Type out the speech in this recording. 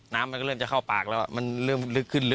น้ำมันก็เริ่มจะเข้าปากแล้วมันเริ่มลึกขึ้นลึก